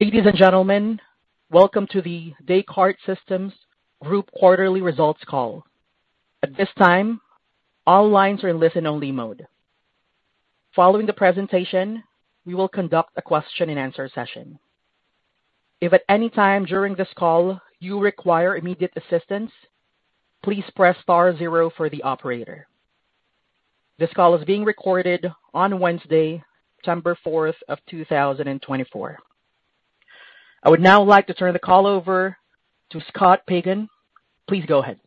Ladies and gentlemen, welcome to the Descartes Systems Group Quarterly Results Call. At this time, all lines are in listen-only mode. Following the presentation, we will conduct a question and answer session. If at any time during this call you require immediate assistance, please press star zero for the operator. This call is being recorded on Wednesday, September fourth, of two thousand and twenty-four. I would now like to turn the call over to Scott Pagan. Please go ahead.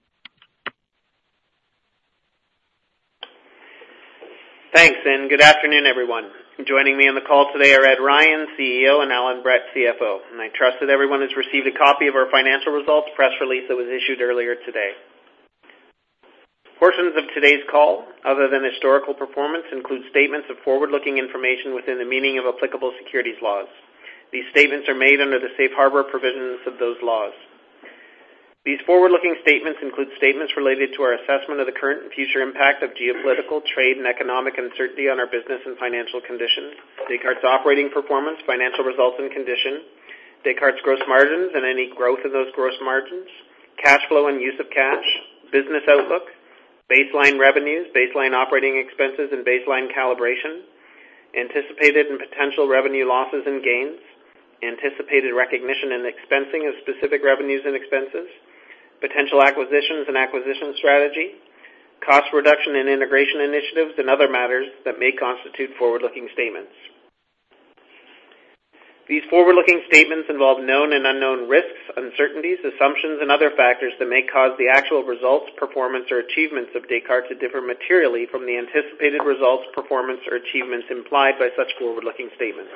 Thanks, and good afternoon, everyone. Joining me on the call today are Ed Ryan, CEO, and Allan Brett, CFO, and I trust that everyone has received a copy of our financial results press release that was issued earlier today. Portions of today's call, other than historical performance, include statements of forward-looking information within the meaning of applicable securities laws. These statements are made under the safe harbor provisions of those laws. These forward-looking statements include statements related to our assessment of the current and future impact of geopolitical, trade, and economic uncertainty on our business and financial conditions, Descartes' operating performance, financial results, and condition, Descartes' gross margins and any growth of those gross margins, cash flow and use of cash, business outlook, baseline revenues, baseline operating expenses and baseline calibration, anticipated and potential revenue losses and gains, anticipated recognition and expensing of specific revenues and expenses, potential acquisitions and acquisition strategy, cost reduction and integration initiatives, and other matters that may constitute forward-looking statements. These forward-looking statements involve known and unknown risks, uncertainties, assumptions, and other factors that may cause the actual results, performance, or achievements of Descartes to differ materially from the anticipated results, performance, or achievements implied by such forward-looking statements.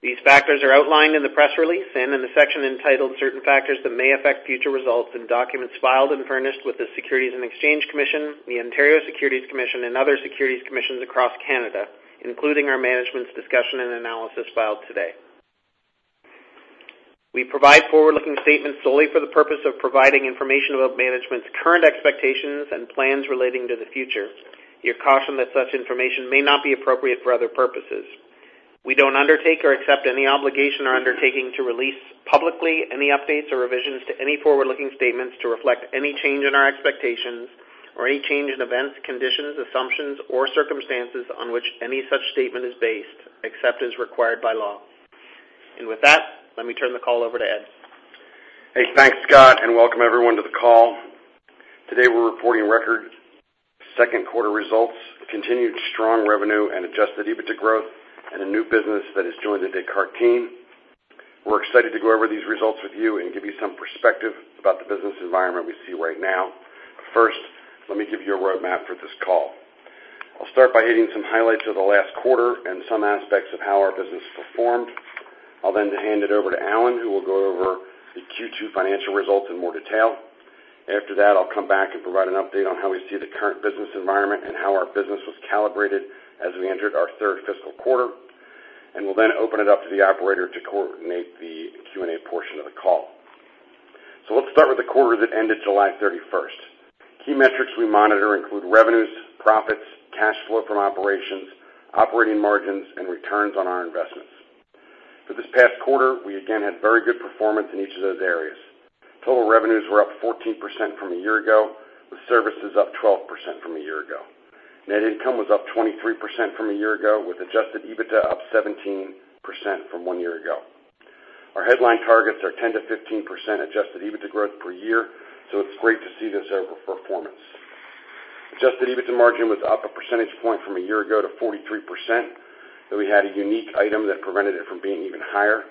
These factors are outlined in the press release and in the section entitled Certain Factors That May Affect Future Results in documents filed and furnished with the Securities and Exchange Commission, the Ontario Securities Commission, and other securities commissions across Canada, including our management's discussion and analysis filed today. We provide forward-looking statements solely for the purpose of providing information about management's current expectations and plans relating to the future. You're cautioned that such information may not be appropriate for other purposes. We don't undertake or accept any obligation or undertaking to release publicly any updates or revisions to any forward-looking statements to reflect any change in our expectations or any change in events, conditions, assumptions, or circumstances on which any such statement is based, except as required by law, and with that, let me turn the call over to Ed. Hey, thanks, Scott, and welcome everyone to the call. Today, we're reporting record second quarter results, continued strong revenue and adjusted EBITDA growth, and a new business that has joined the Descartes team. We're excited to go over these results with you and give you some perspective about the business environment we see right now. But first, let me give you a roadmap for this call. I'll start by hitting some highlights of the last quarter and some aspects of how our business performed. I'll then hand it over to Allan, who will go over the Q2 financial results in more detail. After that, I'll come back and provide an update on how we see the current business environment and how our business was calibrated as we entered our third fiscal quarter, and we'll then open it up to the operator to coordinate the Q&A portion of the call. Let's start with the quarter that ended July thirty-first. Key metrics we monitor include revenues, profits, cash flow from operations, operating margins, and returns on our investments. For this past quarter, we again had very good performance in each of those areas. Total revenues were up 14% from a year ago, with services up 12% from a year ago. Net income was up 23% from a year ago, with adjusted EBITDA up 17% from one year ago. Our headline targets are 10%-15% adjusted EBITDA growth per year, so it's great to see this overperformance. Adjusted EBITDA margin was up a percentage point from a year ago to 43%, though we had a unique item that prevented it from being even higher.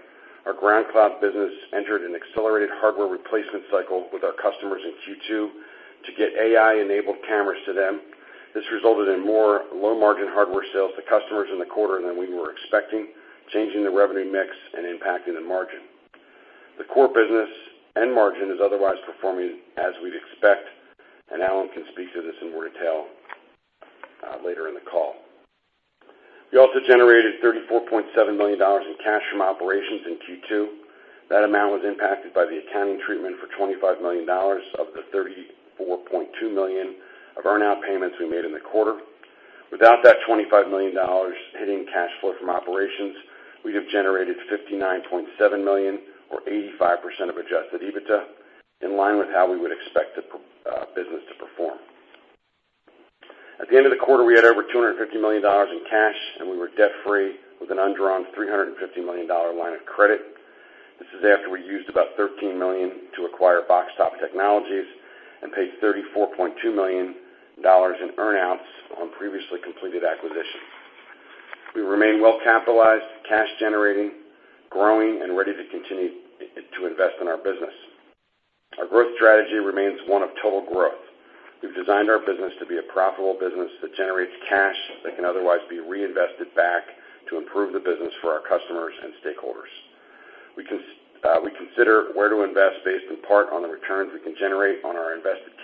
Our GroundCloud business entered an accelerated hardware replacement cycle with our customers in Q2 to get AI-enabled cameras to them. This resulted in more low-margin hardware sales to customers in the quarter than we were expecting, changing the revenue mix and impacting the margin. The core business and margin is otherwise performing as we'd expect, and Allan can speak to this in more detail later in the call. We also generated $34.7 million in cash from operations in Q2. That amount was impacted by the accounting treatment for $25 million of the $34.2 million of earn-out payments we made in the quarter. Without that $25 million hitting cash flow from operations, we'd have generated $59.7 million, or 85% of adjusted EBITDA, in line with how we would expect the business to perform. At the end of the quarter, we had over $250 million in cash, and we were debt-free with an undrawn $350 million line of credit. This is after we used about $13 million to acquire BoxTop Technologies and paid $34.2 million in earn-outs on previously completed acquisitions. We remain well capitalized, cash generating, growing, and ready to continue to invest in our business. Our growth strategy remains one of total growth. We've designed our business to be a profitable business that generates cash that can otherwise be reinvested back to improve the business for our customers and stakeholders. We consider where to invest based in part on the returns we can generate on our invested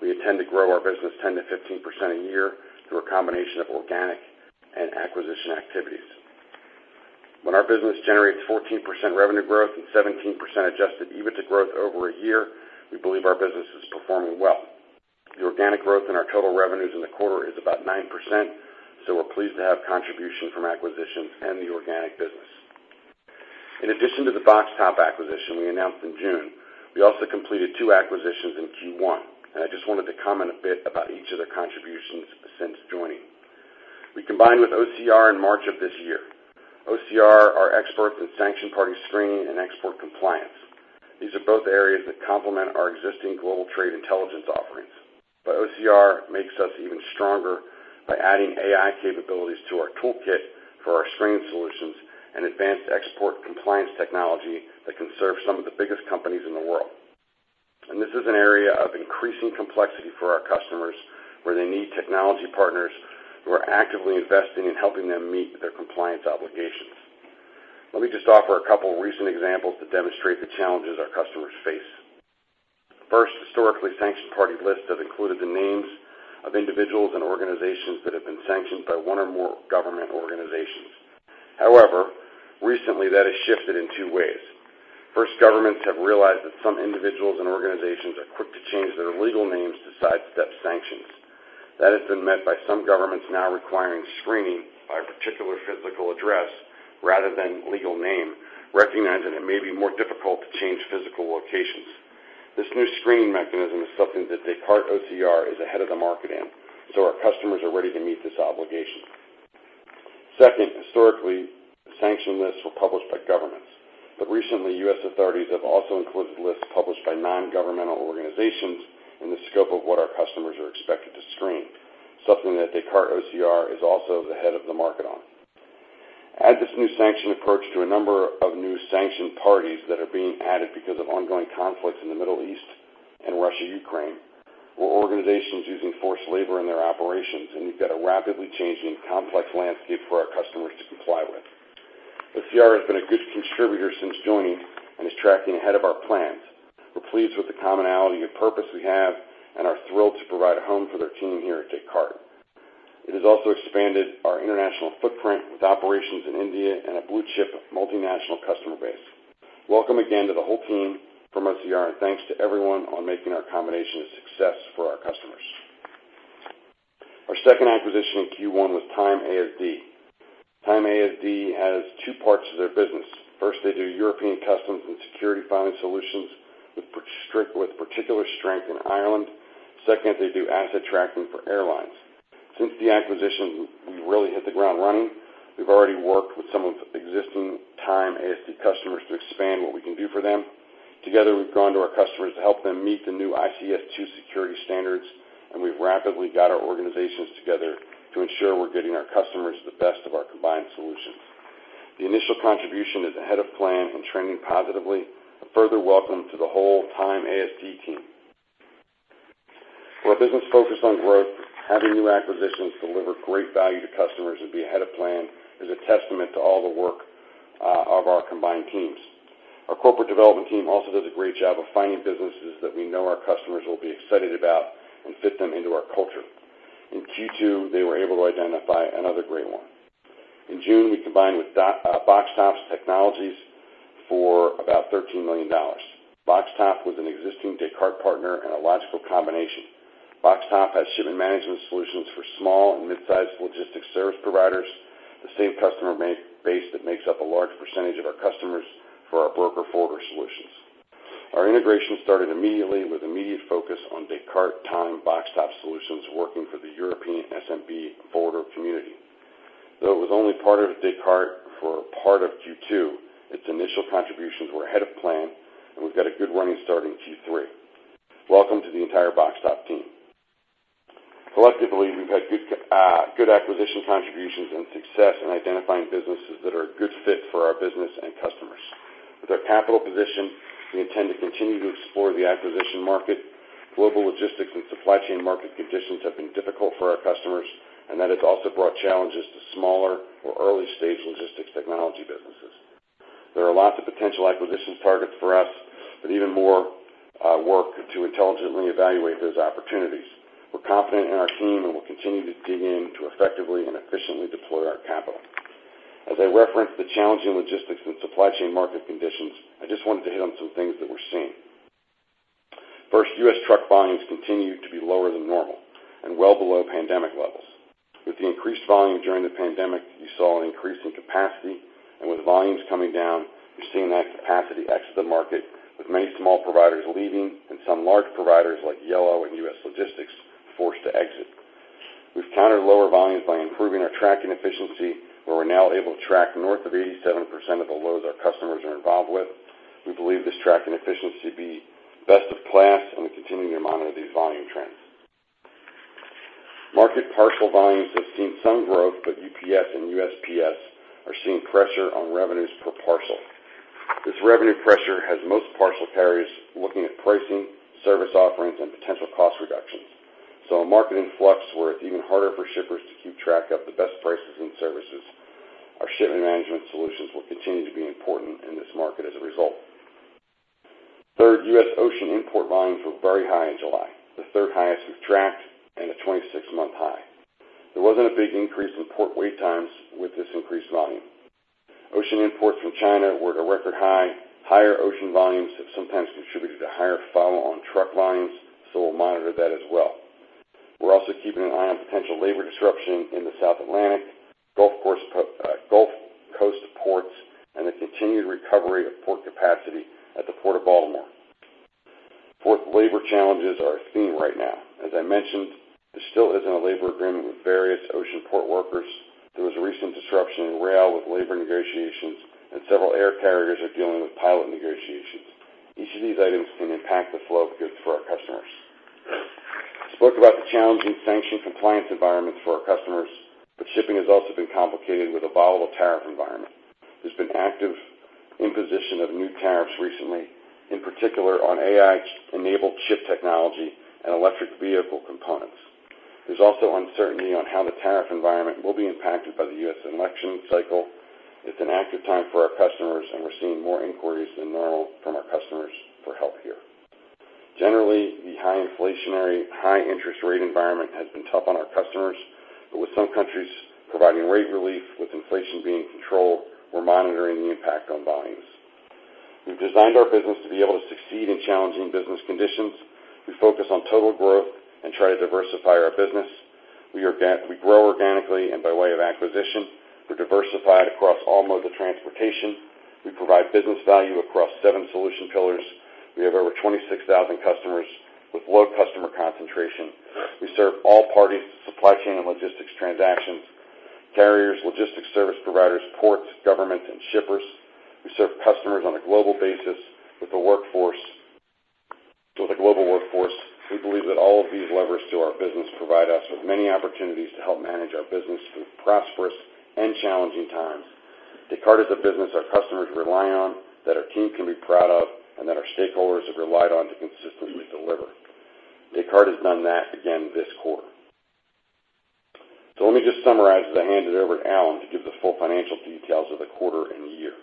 capital. We intend to grow our business 10%-15% a year through a combination of organic and acquisition activities. When our business generates 14% revenue growth and 17% Adjusted EBITDA growth over a year, we believe our business is performing well. The organic growth in our total revenues in the quarter is about 9%, so we're pleased to have contribution from acquisitions and the organic business. In addition to the BoxTop acquisition we announced in June, we also completed two acquisitions in Q1, and I just wanted to comment a bit about each of their contributions since joining. We combined with OCR in March of this year. OCR are experts in sanction party screening and export compliance. These are both areas that complement our existing global trade intelligence offerings. But OCR makes us even stronger by adding AI capabilities to our toolkit for our screening solutions and advanced export compliance technology that can serve some of the biggest companies in the world. And this is an area of increasing complexity for our customers, where they need technology partners who are actively investing in helping them meet their compliance obligations. Let me just offer a couple of recent examples that demonstrate the challenges our customers face. First, historically, sanction party lists have included the names of individuals and organizations that have been sanctioned by one or more government organizations. However, recently, that has shifted in two ways. First, governments have realized that some individuals and organizations are quick to change their legal names to sidestep sanctions. That has been met by some governments now requiring screening by a particular physical address rather than legal name, recognizing it may be more difficult to change physical locations. This new screening mechanism is something that Descartes OCR is ahead of the market in, so our customers are ready to meet this obligation. Second, historically, sanction lists were published by governments, but recently, U.S. authorities have also included lists published by non-governmental organizations in the scope of what our customers are expected to screen, something that Descartes OCR is also the head of the market on. Add this new sanction approach to a number of new sanctioned parties that are being added because of ongoing conflicts in the Middle East and Russia, Ukraine, or organizations using forced labor in their operations, and you've got a rapidly changing, complex landscape for our customers to comply with. OCR has been a good contributor since joining and is tracking ahead of our plans. We're pleased with the commonality and purpose we have and are thrilled to provide a home for their team here at Descartes. It has also expanded our international footprint with operations in India and a blue chip multinational customer base. Welcome again to the whole team from OCR, and thanks to everyone on making our combination a success for our customers. Our second acquisition in Q1 was ASD. ASD has two parts to their business. First, they do European customs and security filing solutions with particular strength in Ireland. Second, they do asset tracking for airlines. Since the acquisition, we've really hit the ground running. We've already worked with some of the existing ASD customers to expand what we can do for them. Together, we've gone to our customers to help them meet the new ICS2 security standards, and we've rapidly got our organizations together to ensure we're getting our customers the best of our combined solutions. The initial contribution is ahead of plan and trending positively. A further welcome to the whole ASD team. We're a business focused on growth. Having new acquisitions deliver great value to customers and be ahead of plan is a testament to all the work of our combined teams. Our corporate development team also does a great job of finding businesses that we know our customers will be excited about and fit them into our culture. In Q2, they were able to identify another great one. In June, we combined with BoxTop Technologies for about $13 million. BoxTop was an existing Descartes partner and a logical combination. BoxTop has shipment management solutions for small and mid-sized logistics service providers, the same customer base that makes up a large percentage of our customers for our broker forwarder solutions. Our integration started immediately, with immediate focus on Descartes BoxTop Solutions, working for the European SMB forwarder community. Though it was only part of Descartes for part of Q2, its initial contributions were ahead of plan, and we've got a good running start in Q3. Welcome to the entire BoxTop team. Collectively, we've had good, good acquisition contributions and success in identifying businesses that are a good fit for our business and customers. With our capital position, we intend to continue to explore the acquisition market. Global logistics and supply chain market conditions have been difficult for our customers, and that has also brought challenges to smaller or early-stage logistics technology businesses. There are lots of potential acquisition targets for us, but even more, work to intelligently evaluate those opportunities. We're confident in our team, and we'll continue to dig in to effectively and efficiently deploy our capital. As I referenced the challenging logistics and supply chain market conditions, I just wanted to hit on some things that we're seeing. First, U.S. truck volumes continue to be lower than normal and well below pandemic levels. With the increased volume during the pandemic, you saw an increase in capacity, and with volumes coming down, you're seeing that capacity exit the market, with many small providers leaving and some large providers like Yellow and U.S. Logistics, forced to exit. We've countered lower volumes by improving our tracking efficiency, where we're now able to track north of 87% of the loads our customers are involved with. We believe this tracking efficiency to be best in class, and we're continuing to monitor these volume trends. Market parcel volumes have seen some growth, but UPS and USPS are seeing pressure on revenues per parcel. This revenue pressure has most parcel carriers looking at pricing, service offerings, and potential cost reductions. So a market in flux, where it's even harder for shippers to keep track of the best prices and services. Our shipment management solutions will continue to be important in this market as a result. Third, U.S. ocean import volumes were very high in July, the third highest we've tracked and a twenty-six-month high. There wasn't a big increase in port wait times with this increased volume Ocean imports from China were at a record high. Higher ocean volumes have sometimes contributed to higher follow on truck lines, so we'll monitor that as well. We're also keeping an eye on potential labor disruption in the South Atlantic, Gulf Coast ports, and the continued recovery of port capacity at the Port of Baltimore. Port labor challenges are a theme right now. As I mentioned, there still isn't a labor agreement with various ocean port workers. There was a recent disruption in rail with labor negotiations, and several air carriers are dealing with pilot negotiations. Each of these items can impact the flow of goods for our customers. I spoke about the challenging sanction compliance environment for our customers, but shipping has also been complicated with a volatile tariff environment. There's been active imposition of new tariffs recently, in particular on AI-enabled chip technology and electric vehicle components. There's also uncertainty on how the tariff environment will be impacted by the U.S. election cycle. It's an active time for our customers, and we're seeing more inquiries than normal from our customers for help here. Generally, the high inflationary, high interest rate environment has been tough on our customers, but with some countries providing rate relief, with inflation being controlled, we're monitoring the impact on volumes. We've designed our business to be able to succeed in challenging business conditions. We focus on total growth and try to diversify our business. We grow organically and by way of acquisition. We're diversified across all modes of transportation. We provide business value across seven solution pillars. We have over 26,000 customers with low customer concentration. We serve all parties, supply chain and logistics transactions, carriers, logistics service providers, ports, government, and shippers. We serve customers on a global basis with a global workforce. We believe that all of these levers to our business provide us with many opportunities to help manage our business through prosperous and challenging times. Descartes is a business our customers rely on, that our team can be proud of, and that our stakeholders have relied on to consistently deliver. Descartes has done that again this quarter, so let me just summarize as I hand it over to Allan to give the full financial details of the quarter and the year.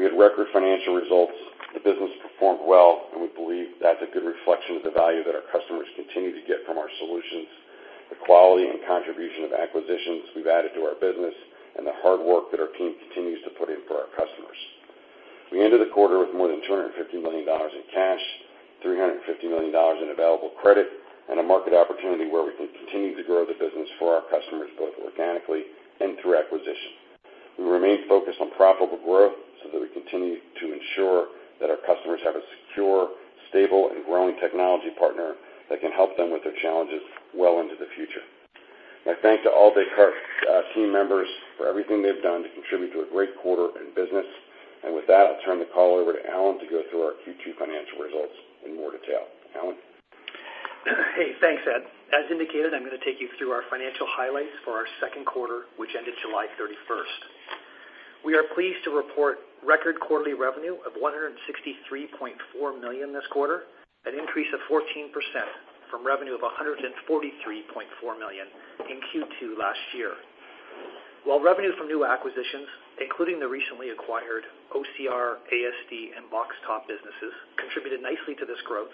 We had record financial results. The business performed well, and we believe that's a good reflection of the value that our customers continue to get from our solutions, the quality and contribution of acquisitions we've added to our business, and the hard work that our team continues to put in for our customers. We ended the quarter with more than $250 million in cash, $350 million in available credit, and a market opportunity where we can continue to grow the business for our customers, both organically and through acquisition. We remain focused on profitable growth so that we continue to ensure that our customers have a secure, stable, and growing technology partner that can help them with their challenges well into the future. My thanks to all Descartes team members for everything they've done to contribute to a great quarter in business. And with that, I'll turn the call over to Allan to go through our Q2 financial results in more detail. Allan? Hey, thanks, Ed. As indicated, I'm going to take you through our financial highlights for our second quarter, which ended July 31. We are pleased to report record quarterly revenue of $163.4 million this quarter, an increase of 14% from revenue of $143.4 million in Q2 last year. While revenue from new acquisitions, including the recently acquired OCR, ASD, and BoxTop businesses, contributed nicely to this growth,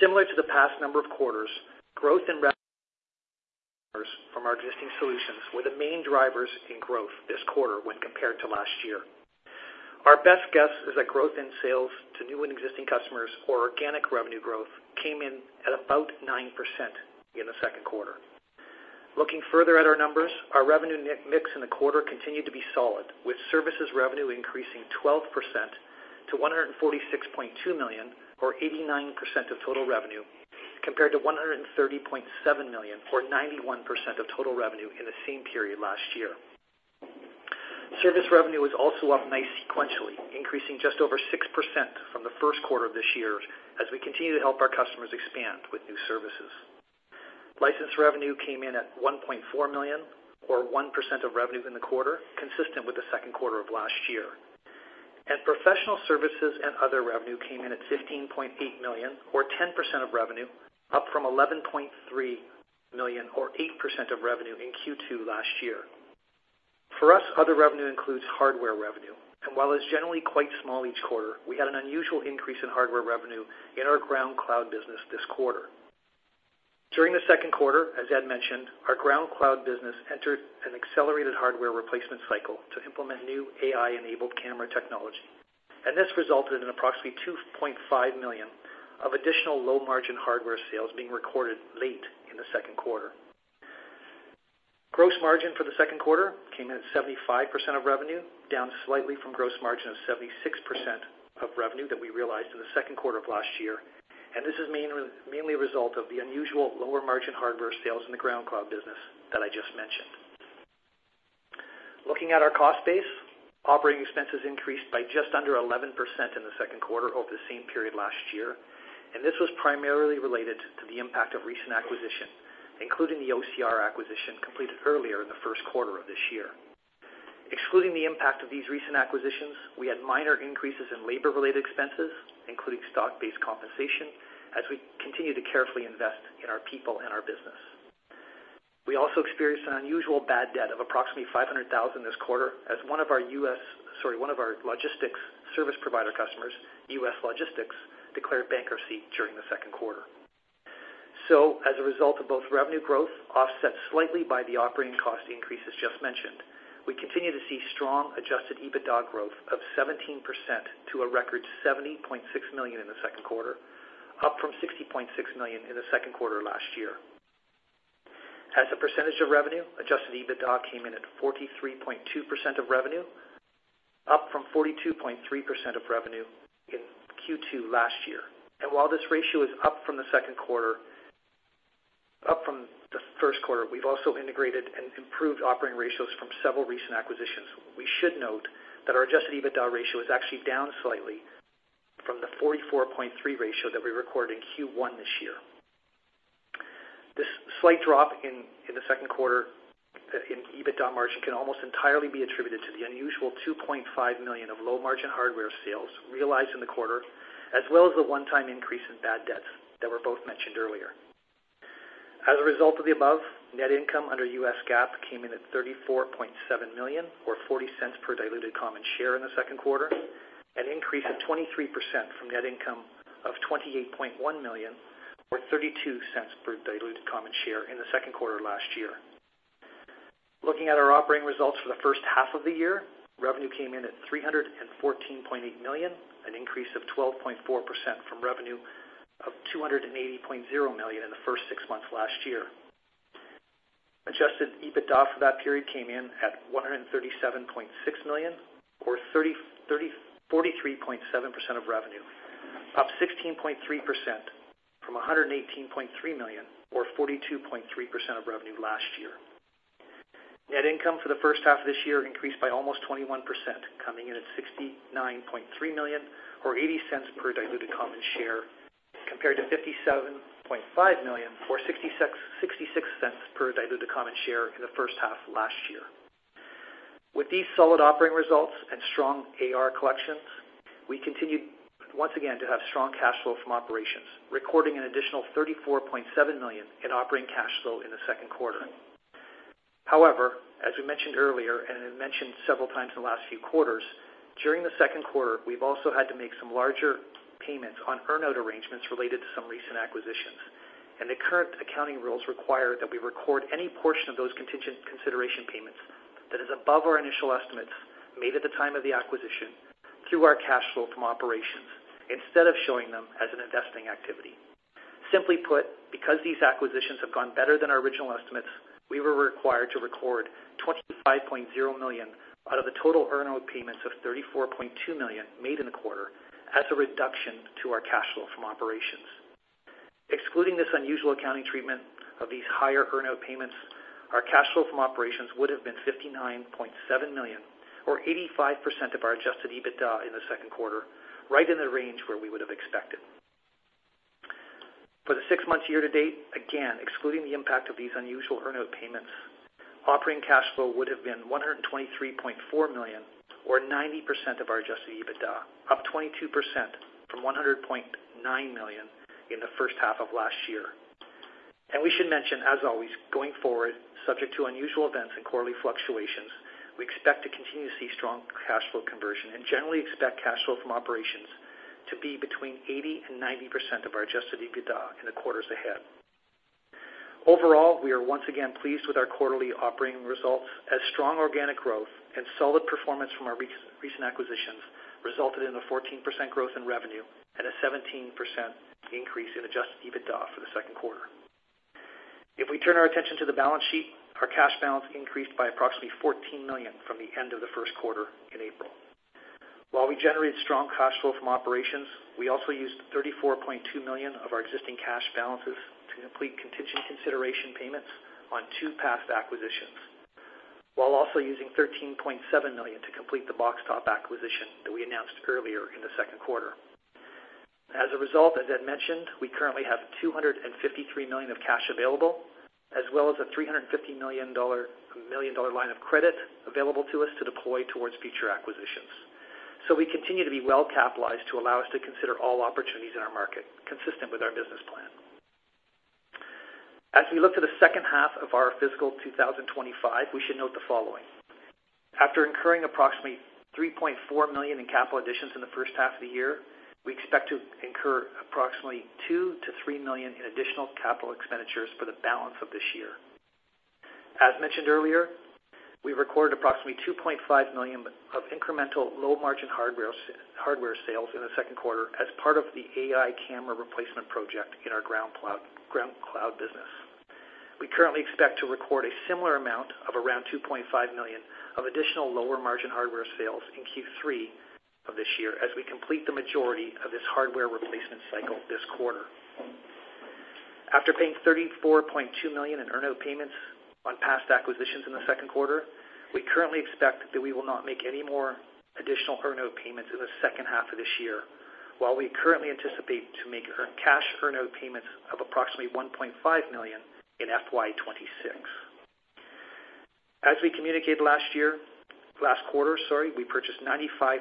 similar to the past number of quarters, growth from our existing solutions were the main drivers in growth this quarter when compared to last year. Our best guess is that growth in sales to new and existing customers, or organic revenue growth, came in at about 9% in the second quarter. Looking further at our numbers, our revenue mix in the quarter continued to be solid, with services revenue increasing 12% to $146.2 million, or 89% of total revenue, compared to $130.7 million, or 91% of total revenue, in the same period last year. Service revenue was also up nice sequentially, increasing just over 6% from the first quarter of this year, as we continue to help our customers expand with new services. License revenue came in at $1.4 million, or 1% of revenue in the quarter, consistent with the second quarter of last year. Professional services and other revenue came in at $15.8 million, or 10% of revenue, up from $11.3 million, or 8% of revenue, in Q2 last year. For us, other revenue includes hardware revenue, and while it's generally quite small each quarter, we had an unusual increase in hardware revenue in our GroundCloud business this quarter. During the second quarter, as Ed mentioned, our GroundCloud business entered an accelerated hardware replacement cycle to implement new AI-enabled camera technology, and this resulted in approximately $2.5 million of additional low-margin hardware sales being recorded late in the second quarter. Gross margin for the second quarter came in at 75% of revenue, down slightly from gross margin of 76% of revenue that we realized in the second quarter of last year, and this is mainly a result of the unusual lower-margin hardware sales in the GroundCloud business that I just mentioned. Looking at our cost base, operating expenses increased by just under 11% in the second quarter over the same period last year, and this was primarily related to the impact of recent acquisition, including the OCR acquisition completed earlier in the first quarter of this year. Excluding the impact of these recent acquisitions, we had minor increases in labor-related expenses, including stock-based compensation, as we continue to carefully invest in our people and our business. We also experienced an unusual bad debt of approximately $500,000 this quarter as one of our U.S.—sorry, one of our logistics service provider customers, U.S. Logistics, declared bankruptcy during the second quarter. So as a result of both revenue growth, offset slightly by the operating cost increases just mentioned, we continue to see strong Adjusted EBITDA growth of 17% to a record $70.6 million in the second quarter, up from $60.6 million in the second quarter last year. As a percentage of revenue, Adjusted EBITDA came in at 43.2% of revenue, up from 42.3% of revenue in Q2 last year. And while this ratio is up from the second quarter—up from the first quarter, we've also integrated and improved operating ratios from several recent acquisitions. We should note that our Adjusted EBITDA ratio is actually down slightly from the 44.3% ratio that we recorded in Q1 this year. This slight drop in the second quarter EBITDA margin can almost entirely be attributed to the unusual $2.5 million of low-margin hardware sales realized in the quarter, as well as the one-time increase in bad debts that were both mentioned earlier. As a result of the above, net income under U.S. GAAP came in at $34.7 million, or $0.40 per diluted common share in the second quarter, an increase of 23% from net income of $28.1 million, or $0.32 per diluted common share in the second quarter last year. Looking at our operating results for the first half of the year, revenue came in at $314.8 million, an increase of 12.4% from revenue of $280.0 million in the first six months last year. Adjusted EBITDA for that period came in at $137.6 million, or 43.7% of revenue, up 16.3% from $118.3 million, or 42.3% of revenue last year. Net income for the first half of this year increased by almost 21%, coming in at $69.3 million, or $0.80 per diluted common share, compared to $57.5 million or $0.66 per diluted common share in the first half of last year. With these solid operating results and strong AR collections, we continued once again to have strong cash flow from operations, recording an additional $34.7 million in operating cash flow in the second quarter. However, as we mentioned earlier, and as mentioned several times in the last few quarters, during the second quarter, we've also had to make some larger payments on earn-out arrangements related to some recent acquisitions. And the current accounting rules require that we record any portion of those contingent consideration payments that is above our initial estimates made at the time of the acquisition through our cash flow from operations, instead of showing them as an investing activity. Simply put, because these acquisitions have gone better than our original estimates, we were required to record $25.0 million out of the total earn-out payments of $34.2 million made in the quarter as a reduction to our cash flow from operations. Excluding this unusual accounting treatment of these higher earn-out payments, our cash flow from operations would have been $59.7 million, or 85% of our Adjusted EBITDA in the second quarter, right in the range where we would have expected. For the six months year to date, again, excluding the impact of these unusual earn-out payments, operating cash flow would have been $123.4 million, or 90% of our Adjusted EBITDA, up 22% from $100.9 million in the first half of last year. We should mention, as always, going forward, subject to unusual events and quarterly fluctuations, we expect to continue to see strong cash flow conversion and generally expect cash flow from operations to be between 80%-90% of our adjusted EBITDA in the quarters ahead. Overall, we are once again pleased with our quarterly operating results as strong organic growth and solid performance from our recent acquisitions resulted in a 14% growth in revenue and a 17% increase in adjusted EBITDA for the second quarter. If we turn our attention to the balance sheet, our cash balance increased by approximately $14 million from the end of the first quarter in April. While we generated strong cash flow from operations, we also used $34.2 million of our existing cash balances to complete contingent consideration payments on two past acquisitions, while also using $13.7 million to complete the BoxTop acquisition that we announced earlier in the second quarter. As a result, as I mentioned, we currently have $253 million of cash available, as well as a $350 million line of credit available to us to deploy towards future acquisitions, so we continue to be well capitalized to allow us to consider all opportunities in our market consistent with our business plan. As we look to the second half of our fiscal two thousand and twenty-five, we should note the following: After incurring approximately $3.4 million in capital additions in the first half of the year, we expect to incur approximately $2 million-$3 million in additional capital expenditures for the balance of this year. As mentioned earlier, we recorded approximately $2.5 million of incremental low-margin hardware sales in the second quarter as part of the AI camera replacement project in our GroundCloud business. We currently expect to record a similar amount of around $2.5 million of additional lower-margin hardware sales in Q3 of this year as we complete the majority of this hardware replacement cycle this quarter. After paying $34.2 million in earn-out payments on past acquisitions in the second quarter, we currently expect that we will not make any more additional earn-out payments in the second half of this year, while we currently anticipate to make cash earn-out payments of approximately $1.5 million in FY 2026. As we communicated last year, last quarter, sorry, we purchased 95%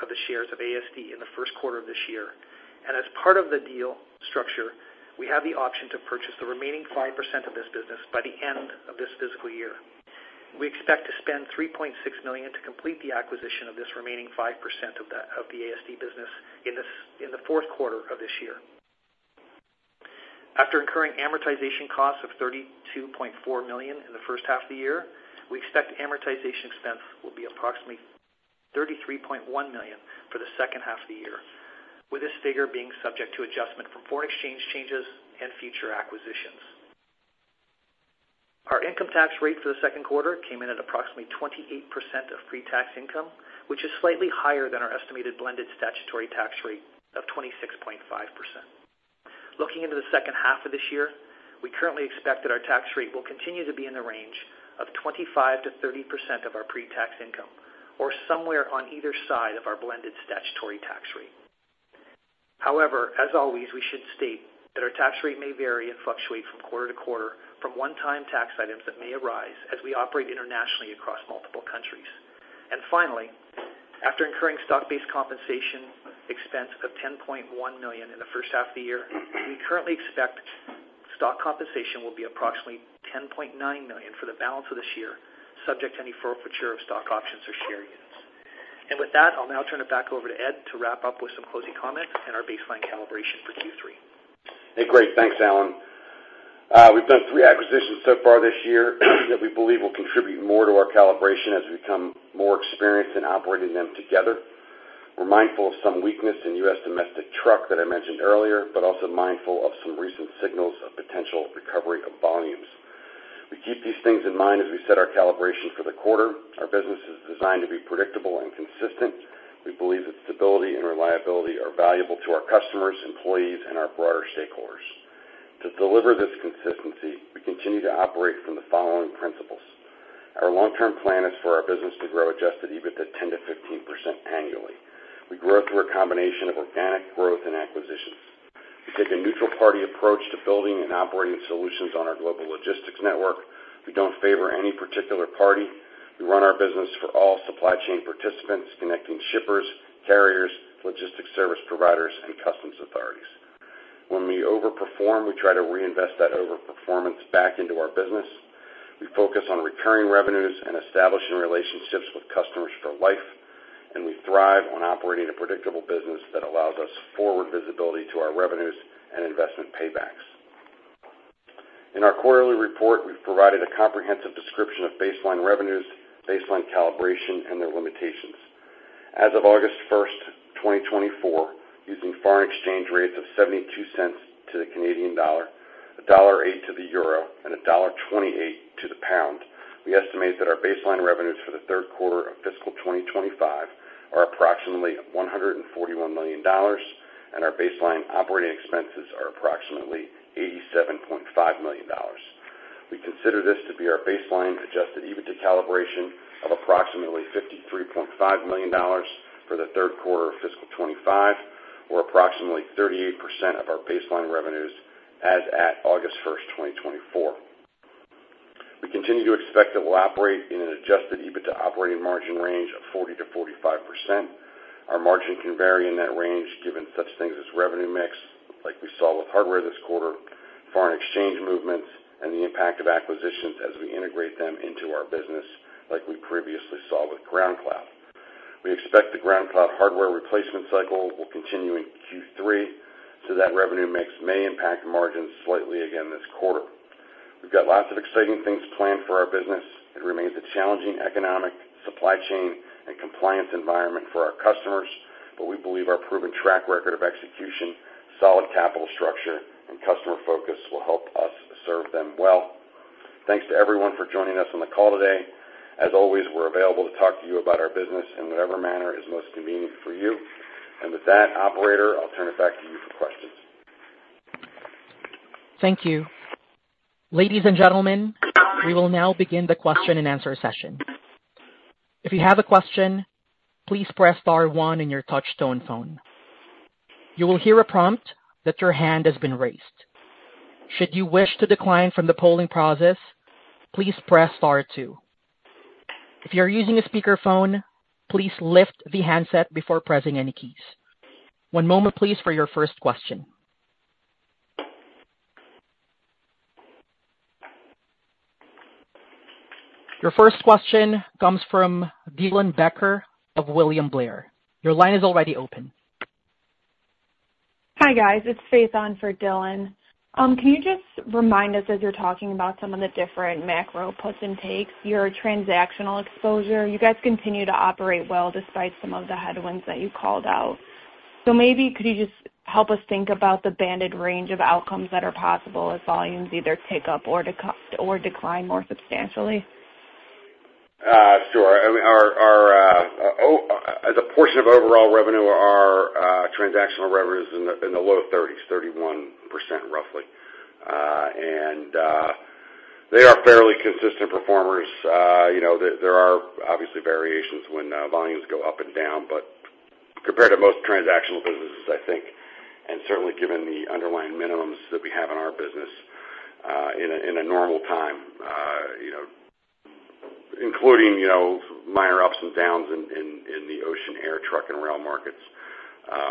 of the shares of ASD in the first quarter of this year, and as part of the deal structure, we have the option to purchase the remaining 5% of this business by the end of this fiscal year. We expect to spend $3.6 million to complete the acquisition of this remaining 5% of the ASD business in the fourth quarter of this year. After incurring amortization costs of $32.4 million in the first half of the year, we expect amortization expense will be approximately $33.1 million for the second half of the year, with this figure being subject to adjustment from foreign exchange changes and future acquisitions. Our income tax rate for the second quarter came in at approximately 28% of pre-tax income, which is slightly higher than our estimated blended statutory tax rate of 26.5%. Looking into the second half of this year, we currently expect that our tax rate will continue to be in the range of 25%-30% of our pre-tax income, or somewhere on either side of our blended statutory tax rate. However, as always, we should state that our tax rate may vary and fluctuate from quarter to quarter from one-time tax items that may arise as we operate internationally across multiple countries. And finally, after incurring stock-based compensation expense of $10.1 million in the first half of the year, we currently expect stock compensation will be approximately $10.9 million for the balance of this year, subject to any forfeiture of stock options or share units. And with that, I'll now turn it back over to Ed to wrap up with some closing comments and our baseline calibration for Q3. Hey, great, thanks, Alan. We've done three acquisitions so far this year that we believe will contribute more to our calibration as we become more experienced in operating them together. We're mindful of some weakness in U.S. domestic truck that I mentioned earlier, but also mindful of some recent signals of potential recovery of volumes. We keep these things in mind as we set our calibration for the quarter. Our business is designed to be predictable and consistent. We believe that stability and reliability are valuable to our customers, employees, and our broader stakeholders. To deliver this consistency, we continue to operate from the following principles: Our long-term plan is for our business to grow Adjusted EBITDA 10%-15% annually. We grow through a combination of organic growth and acquisitions. We take a neutral party approach to building and operating solutions on our global logistics network. We don't favor any particular party. We run our business for all supply chain participants, connecting shippers, carriers, logistics service providers, and customs authorities. When we overperform, we try to reinvest that overperformance back into our business. We focus on recurring revenues and establishing relationships with customers for life, and we thrive on operating a predictable business that allows us forward visibility to our revenues and investment paybacks. In our quarterly report, we've provided a comprehensive description of baseline revenues, baseline calibration, and their limitations. As of August 1, 2024, using foreign exchange rates of $0.72 to the Canadian dollar, $1.08 to the euro, and $1.28 to the pound, we estimate that our baseline revenues for the third quarter of fiscal 2025 are approximately $141 million, and our baseline operating expenses are approximately $87.5 million. We consider this to be our baseline adjusted EBITDA calibration of approximately $53.5 million for the third quarter of fiscal 2025, or approximately 38% of our baseline revenues as at August 1, 2024. We continue to expect that we'll operate in an adjusted EBITDA operating margin range of 40%-45%. Our margin can vary in that range, given such things as revenue mix, like we saw with hardware this quarter, foreign exchange movements, and the impact of acquisitions as we integrate them into our business, like we previously saw with GroundCloud. We expect the GroundCloud hardware replacement cycle will continue in Q3, so that revenue mix may impact margins slightly again this quarter. We've got lots of exciting things planned for our business. It remains a challenging economic, supply chain, and compliance environment for our customers, but we believe our proven track record of execution, solid capital structure, and customer focus will help us serve them well. Thanks to everyone for joining us on the call today. As always, we're available to talk to you about our business in whatever manner is most convenient for you, and with that, operator, I'll turn it back to you for questions. Thank you. Ladies and gentlemen, we will now begin the question-and-answer session. If you have a question, please press star one on your touchtone phone. You will hear a prompt that your hand has been raised. Should you wish to decline from the polling process, please press star two. If you're using a speakerphone, please lift the handset before pressing any keys. One moment, please, for your first question. Your first question comes from Dylan Becker of William Blair. Your line is already open. Hi, guys. It's Faith on for Dylan. Can you just remind us, as you're talking about some of the different macro puts and takes, your transactional exposure? You guys continue to operate well despite some of the headwinds that you called out. So maybe could you just help us think about the banded range of outcomes that are possible as volumes either take up or decline more substantially? Sure. I mean, as a portion of overall revenue, our transactional revenue is in the low thirties, 31%, roughly. And they are fairly consistent performers. You know, there are obviously variations when volumes go up and down, but compared to most transactional businesses, I think, and certainly given the underlying minimums that we have in our business, in a normal time, you know, including minor ups and downs in the ocean, air, truck, and rail markets.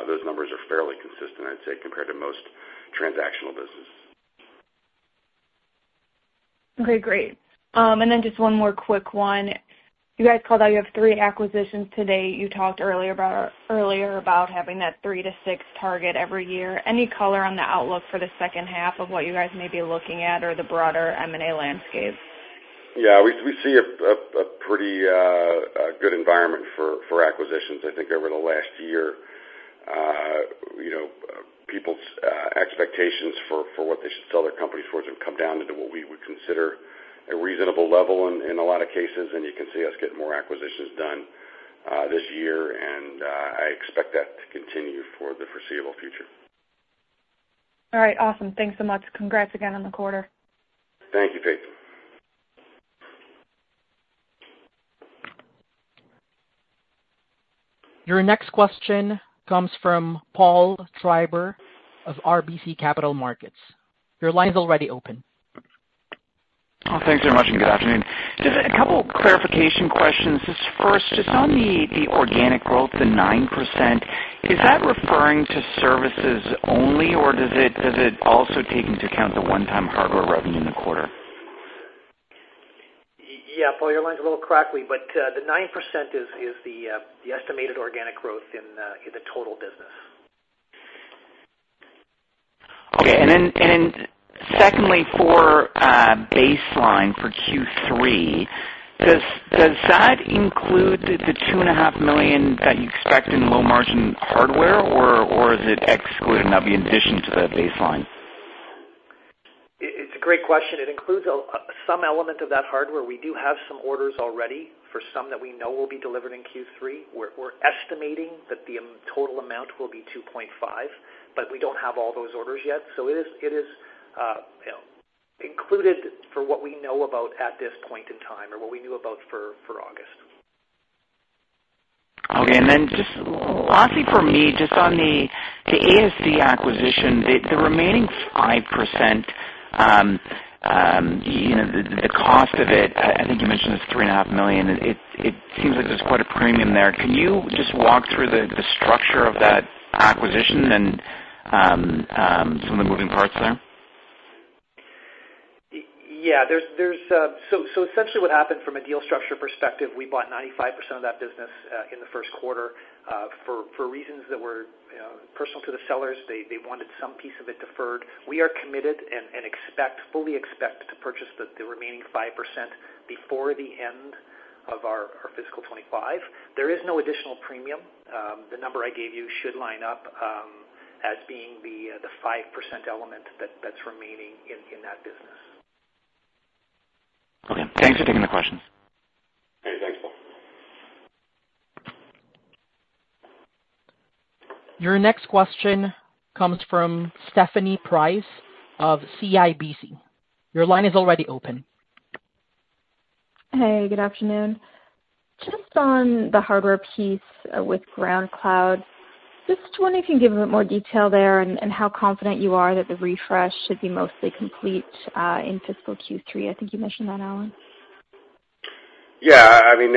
Those numbers are fairly consistent, I'd say, compared to most transactional business. Okay, great. And then just one more quick one. You guys called out you have three acquisitions to date. You talked earlier about having that three to six target every year. Any color on the outlook for the second half of what you guys may be looking at or the broader M&A landscape? Yeah, we see a pretty good environment for acquisitions. I think over the last year, you know, people's expectations for what they should sell their companies for have come down into what we would consider a reasonable level in a lot of cases, and you can see us getting more acquisitions done this year, and I expect that to continue for the foreseeable future. All right, awesome. Thanks so much. Congrats again on the quarter. Thank you, Faith. Your next question comes from Paul Treiber of RBC Capital Markets. Your line is already open. Oh, thanks very much, and good afternoon. Just a couple clarification questions. Just first, just on the organic growth, the 9%, is that referring to services only, or does it also take into account the one-time hardware revenue in the quarter? Yeah, Paul, your line's a little crackly, but the 9% is the estimated organic growth in the total business. Okay, and then, and secondly, for baseline for Q3, does that include the $2.5 million that you expect in low-margin hardware, or is it excluded and that'd be in addition to the baseline? It's a great question. It includes some element of that hardware. We do have some orders already for some that we know will be delivered in Q3. We're estimating that the total amount will be 2.5, but we don't have all those orders yet. So it is, you know, included for what we know about at this point in time or what we knew about for August. Okay, and then just lastly for me, just on the ASD acquisition, the remaining five percent, you know, the cost of it, I think you mentioned it's $3.5 million. It seems like there's quite a premium there. Can you just walk through the structure of that acquisition and some of the moving parts there? Yeah. There's essentially what happened from a deal structure perspective, we bought 95% of that business in the first quarter. For reasons that were personal to the sellers, they wanted some piece of it deferred. We are committed and expect, fully expect to purchase the remaining 5% before the end of our fiscal 2025. There is no additional premium. The number I gave you should line up as being the 5% element that's remaining in that business. Okay. Thanks for taking the questions. Hey, thanks, Paul. Your next question comes from Stephanie Price of CIBC. Your line is already open. Hey, good afternoon. Just on the hardware piece, with GroundCloud, just wondering if you can give a bit more detail there and how confident you are that the refresh should be mostly complete, in fiscal Q3. I think you mentioned that, Allan. Yeah, I mean,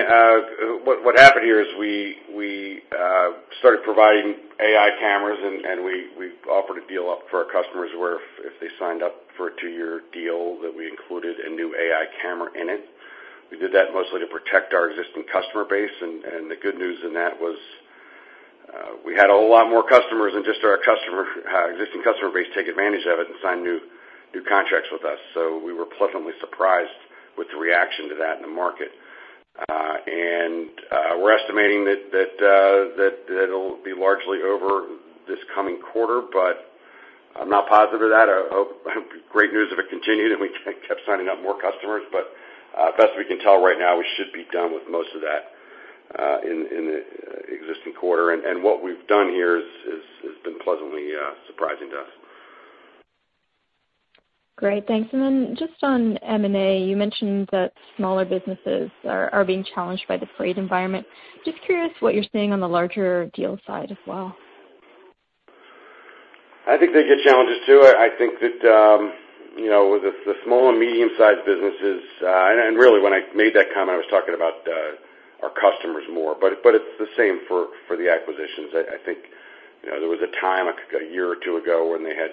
what happened here is we started providing AI cameras, and we offered a deal up for our customers where if they signed up for a two-year deal, that we included a new AI camera in it. We did that mostly to protect our existing customer base, and the good news in that was, we had a whole lot more customers than just our existing customer base take advantage of it and sign new contracts with us. So we were pleasantly surprised with the reaction to that in the market. And we're estimating that it'll be largely over this coming quarter, but I'm not positive of that. I hope great news if it continued, and we kept signing up more customers. But, best we can tell right now, we should be done with most of that in the existing quarter. And what we've done here has been pleasantly surprising to us. Great, thanks. And then just on M&A, you mentioned that smaller businesses are being challenged by the freight environment. Just curious what you're seeing on the larger deal side as well. I think they get challenges, too. I think that, you know, with the small and medium-sized businesses, and really, when I made that comment, I was talking about our customers more, but it's the same for the acquisitions. I think, you know, there was a time, like a year or two ago, when they had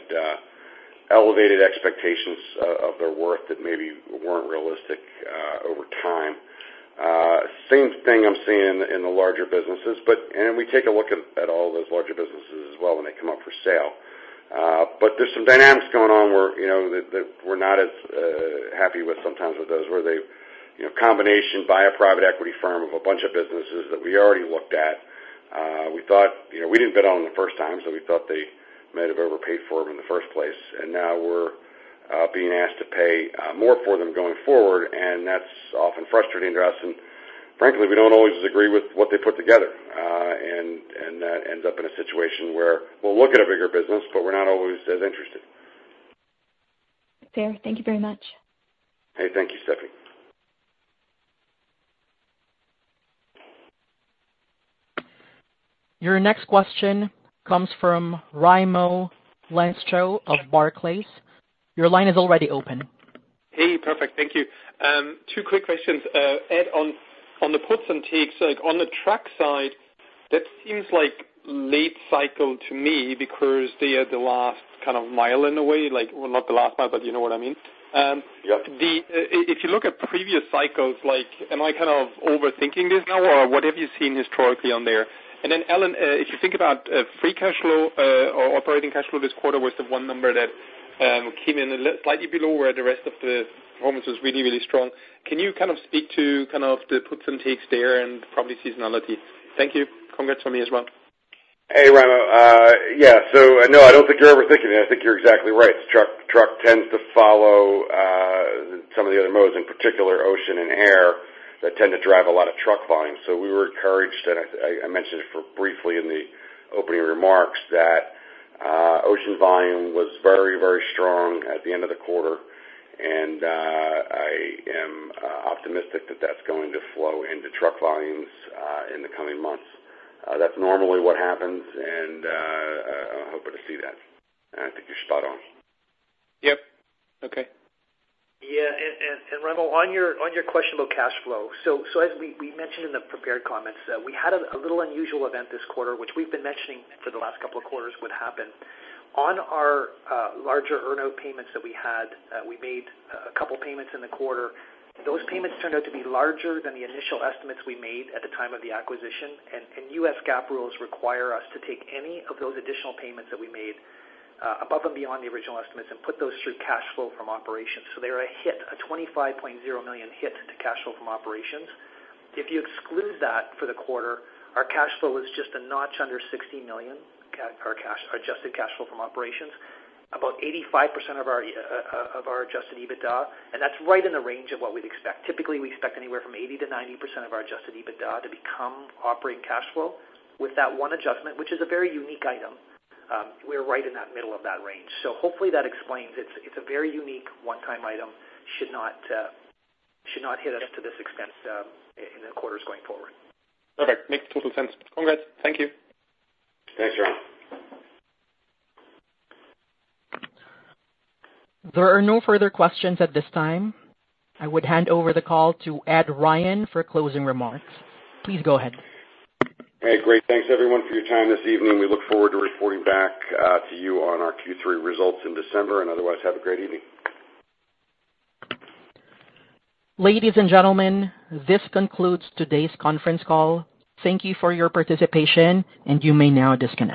elevated expectations of their worth that maybe weren't realistic over time. Same thing I'm seeing in the larger businesses, but and we take a look at all those larger businesses as well when they come up for sale. But there's some dynamics going on where, you know, we're not as happy with sometimes with those, where they, you know, combination by a private equity firm of a bunch of businesses that we already looked at. We thought, you know, we didn't bid on them the first time, so we thought they might have overpaid for them in the first place. And now we're being asked to pay more for them going forward, and that's often frustrating to us, and frankly, we don't always agree with what they put together. And that ends up in a situation where we'll look at a bigger business, but we're not always as interested. Fair. Thank you very much. Hey, thank you, Stephanie. Your next question comes from Raimo Lenschow of Barclays. Your line is already open. Hey, perfect, thank you. Two quick questions. Ed, on the puts and takes, like on the truck side, that seems like late cycle to me because they are the last kind of mile in a way. Like, well, not the last mile, but you know what I mean? Yep. Then, if you look at previous cycles, like, am I kind of overthinking this now, or what have you seen historically on there? And then, Allan, if you think about free cash flow or operating cash flow this quarter, was the one number that came in slightly below, where the rest of the performance was really, really strong. Can you kind of speak to kind of the puts and takes there and probably seasonality? Thank you. Congrats to me as well. Hey, Raimo. Yeah. So no, I don't think you're overthinking it. I think you're exactly right. Truck tends to follow some of the other modes, in particular, ocean and air, that tend to drive a lot of truck volume. So we were encouraged, and I mentioned it very briefly in the opening remarks, that ocean volume was very, very strong at the end of the quarter. And I am optimistic that that's going to flow into truck volumes in the coming months. That's normally what happens, and I'm hoping to see that. And I think you're spot on. Yep. Okay. Yeah, and Raimo, on your question about cash flow. So as we mentioned in the prepared comments, we had a little unusual event this quarter, which we've been mentioning for the last couple of quarters would happen. On our larger earn-out payments that we had, we made a couple payments in the quarter. Those payments turned out to be larger than the initial estimates we made at the time of the acquisition. And U.S. GAAP rules require us to take any of those additional payments that we made above and beyond the original estimates, and put those through cash flow from operations. So they're a $25.0 million hit to cash flow from operations. If you exclude that for the quarter, our cash flow is just a notch under $60 million or cash, adjusted cash flow from operations, about 85% of our adjusted EBITDA, and that's right in the range of what we'd expect. Typically, we expect anywhere from 80%-90% of our adjusted EBITDA to become operating cash flow. With that one adjustment, which is a very unique item, we're right in the middle of that range. So hopefully that explains it. It's a very unique one-time item, should not hit us to this extent, in the quarters going forward. Perfect. Makes total sense. Congrats. Thank you. Thanks, Raimo. There are no further questions at this time. I would hand over the call to Ed Ryan for closing remarks. Please go ahead. Hey, great. Thanks everyone for your time this evening. We look forward to reporting back to you on our Q3 results in December, and otherwise, have a great evening. Ladies and gentlemen, this concludes today's conference call. Thank you for your participation, and you may now disconnect.